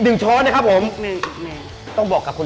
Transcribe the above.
ได้ครับ